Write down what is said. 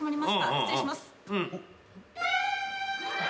失礼します。